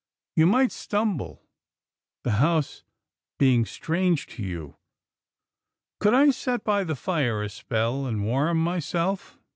You might stumble, the house being strange to you." " Could I set by the fire a spell, and warm my self